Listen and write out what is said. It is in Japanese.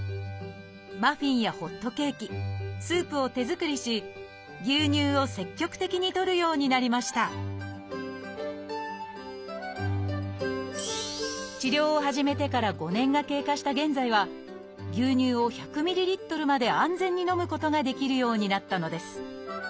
マフィンやホットケーキスープを手作りし牛乳を積極的にとるようになりました治療を始めてから５年が経過した現在は牛乳を１００ｍＬまで安全に飲むことができるようになったのです。